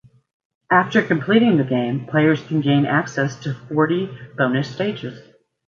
After completing the game, players can gain access to forty bonus stages.